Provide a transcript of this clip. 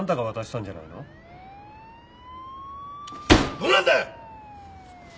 どうなんだ！？